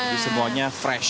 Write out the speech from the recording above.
jadi semuanya fresh